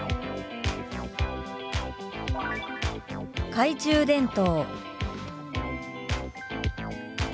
「懐中電灯」。